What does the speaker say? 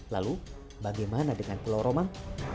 lalu bagaimana dengan pulau romang